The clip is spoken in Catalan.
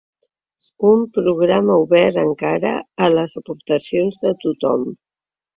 Un programa obert encara a les aportacions de tothom.